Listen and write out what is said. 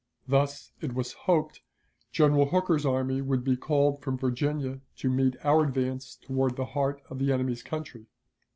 Thus, it was hoped, General Hooker's army would be called from Virginia to meet our advance toward the heart of the enemy's country.